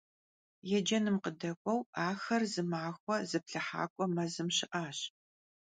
Yêcenım khıdek'ueu axer zımaxue zıplhıhak'ue mezım şı'aş.